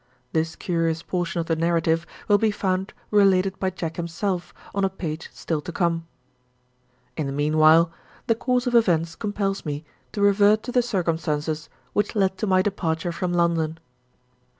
This curious portion of the narrative will be found related by Jack himself, on a page still to come. In the meanwhile, the course of events compels me to revert to the circumstances which led to my departure from London.